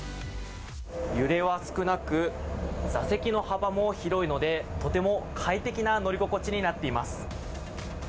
揺れは少なく、座席の幅も広いので、とても快適な乗り心地となっています。